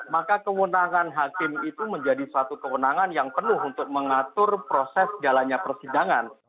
maka kewenangan hakim itu menjadi suatu kewenangan yang penuh untuk mengatur proses jalannya persidangan